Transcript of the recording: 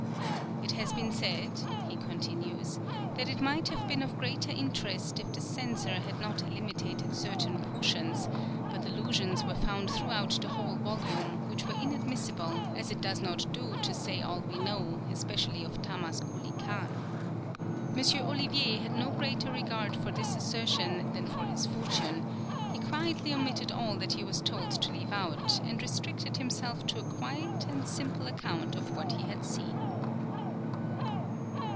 "It has been said," he continues, "that it might have been of greater interest if the censor had not eliminated certain portions; but allusions were found throughout the whole volume, which were inadmissible, as it does not do to say all we know, especially of Thamas Kouli Khan. "M. Olivier had no greater regard for his assertions than for his fortune; he quietly omitted all that he was told to leave out, and restricted himself to a quiet and simple account of what he had seen."